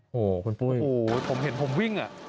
โหคุณปุ้ยผมเห็นผมวิ่ง